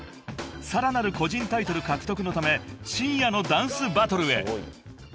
［さらなる個人タイトル獲得のため深夜のダンスバトルへ］